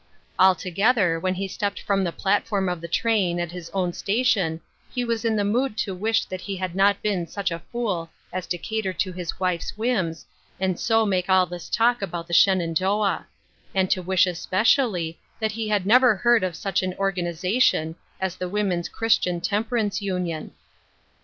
Altogether, when he stepped from the platform of the train at his own station he was in the mood to wish that he had not been such a fool as to cater to his wife's whims, and so make all this talk about the Shenandoah ; and to wish especially that he had never heard of such an organization as the Woman's Christian Temperance Union.